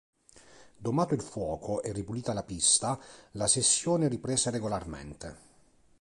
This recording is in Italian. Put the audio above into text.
Domato il fuoco e ripulita la pista la sessione riprese regolarmente.